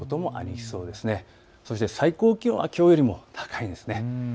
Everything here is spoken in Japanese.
そして最高気温はきょうよりも高いんです。